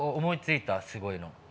思いついたすごいの。